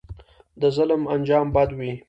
د ظلم انجام بد وي